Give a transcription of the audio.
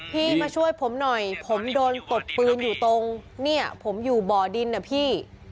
พี่มาช่วยผมหน่อยผมโดนตบปืนอยู่ตรงเนี่ยผมอยู่บ่อดินนะพี่